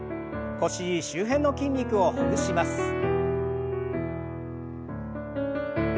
腰周辺の筋肉をほぐします。